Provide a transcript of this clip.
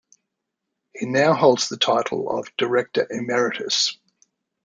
He now holds the title of Director Emeritus.